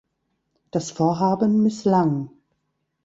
Das Vorhaben misslang.